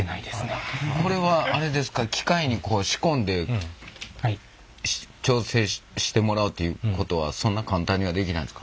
これはあれですか機械にこう仕込んで調整してもらうっていうことはそんな簡単にはできないんですか？